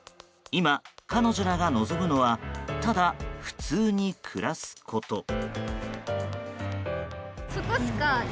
今、彼女らが望むのはただ普通に暮らすこと。